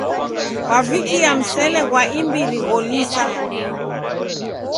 Kwavikia msele ghwa imbiri gholisa.